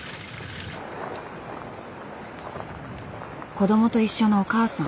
子どもと一緒のお母さん。